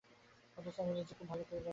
অথচ আমি নিজে খুব ভালো গল্প বলতে পারি।